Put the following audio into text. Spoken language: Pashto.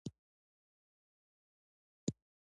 ولایتونه د جغرافیوي تنوع یو ښه مثال دی.